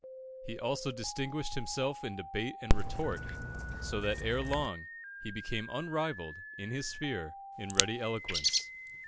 He also distinguished himself in debate and retort, so that ere long he became unrivalled, in his sphere, in ready eloquence.